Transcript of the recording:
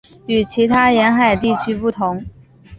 与其他沿海地区不同。